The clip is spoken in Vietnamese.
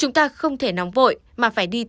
chúng ta không thể nóng vội mà phải đi tìm